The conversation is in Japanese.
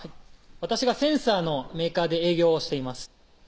私がセンサーのメーカーで営業をしています